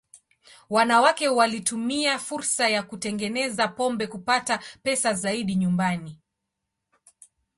Wanawake walitumia fursa ya kutengeneza pombe kupata pesa zaidi nyumbani.